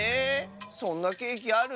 そんなケーキある？